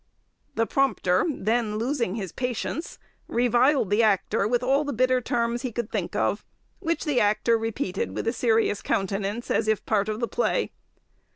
The prompter, then losing his patience, reviled the actor with all the bitter terms he could think of, which the actor repeated with a serious countenance, as if part of the play.